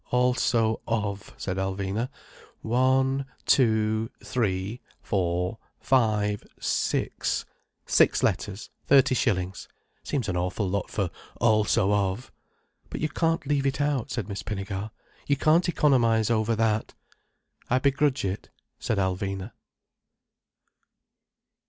"Also of—" said Alvina. "One—two—three—four—five—six—. Six letters—thirty shillings. Seems an awful lot for Also of—" "But you can't leave it out," said Miss Pinnegar. "You can't economize over that." "I begrudge it," said Alvina.